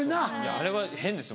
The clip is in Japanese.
あれは変です